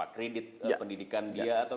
kredit pendidikan dia atau